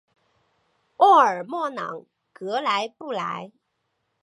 沃尔默朗格莱布莱。